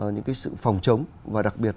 những cái sự phòng chống và đặc biệt